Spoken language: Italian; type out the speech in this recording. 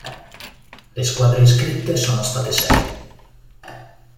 Le squadre iscritte sono state sei.